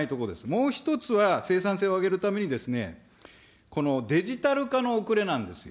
もう一つは、生産性を上げるためにですね、このデジタル化の遅れなんですよ。